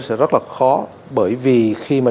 sẽ rất là khó bởi vì khi mà